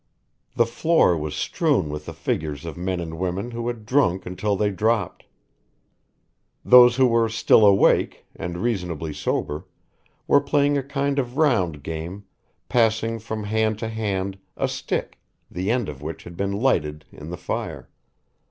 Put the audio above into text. The floor was strewn with the figures of men and women who had drunk until they dropped. Those who were still awake, and reasonably sober, were playing a kind of round game, passing from hand to hand a stick, the end of which had been lighted in the fire.